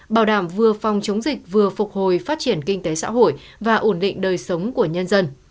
bảo đảm vừa phòng chống dịch vừa phục hồi phát triển kinh tế xã hội và ổn định đời sống của nhân dân